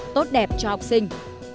tốt đẹp cho học sinh